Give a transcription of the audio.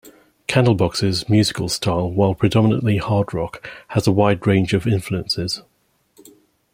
Candlebox's musical style, while predominately hard rock, has a wide range of influences.